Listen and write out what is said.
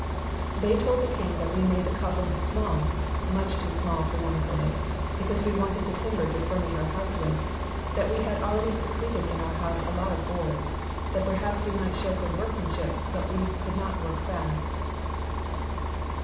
"They told the king that we made the coffins small, much too small for Namasole, because we wanted the timber to finish our own house with; that we had already se creted in our house a lot of boards; that perhaps we might show good workmanship, but we could not work fast.